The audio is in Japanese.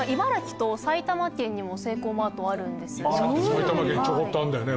埼玉県にちょこっとあるんだよね。